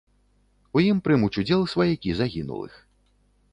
У ім прымуць удзел сваякі загінулых.